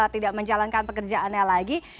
tidak menjalankan pekerjaannya lagi